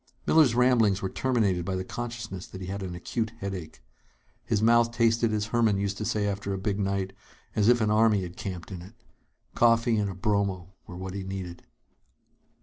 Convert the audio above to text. Miller's ramblings were terminated by the consciousness that he had an acute headache. His mouth tasted, as Herman used to say after a big night, as if an army had camped in it. Coffee and a bromo were what he needed.